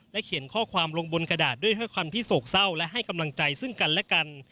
เขียนข้อความลงบนกระดาษด้วยด้วยความที่โศกเศร้าและให้กำลังใจซึ่งกันและกัน